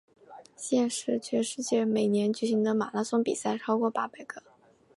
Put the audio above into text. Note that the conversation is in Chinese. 现时全世界每年举行的马拉松比赛超过八百个。